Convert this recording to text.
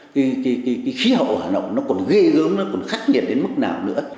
khí hậu ở hà nội nó còn ghê gớm nó còn khắc nhiệt đến mức nào nữa